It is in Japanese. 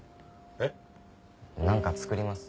えっ？なんか作ります。